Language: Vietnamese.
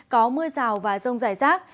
có mưa rào và rông dài rác